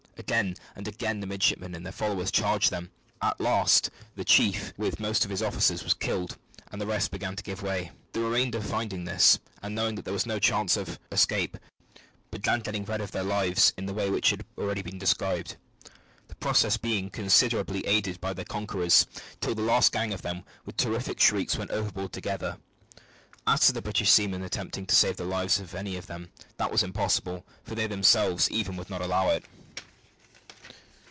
Again and again the midshipmen and their followers charged them. At last the chief, with most of his officers, was killed, and the rest began to give way. The remainder finding this, and knowing that there was no chance of escape, began getting rid of their lives in the way which has been already described, the process being considerably aided by their conquerors, till the last gang of them, with terrific shrieks, went overboard together. As to the English seamen attempting to save the lives of any of them, that was impossible, for they themselves even would not allow it.